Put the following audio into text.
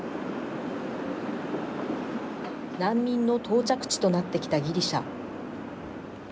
難民の到着地となってきたギリシャ。